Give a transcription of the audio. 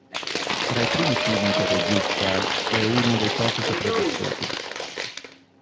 Tra i primi film del regista, è uno dei pochi sopravvissuti.